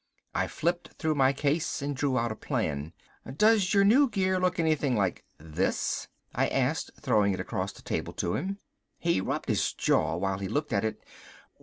I flipped through my case and drew out a plan. "Does your new gear look anything like this?" I asked, throwing it across the table to him. He rubbed his jaw while he looked at it.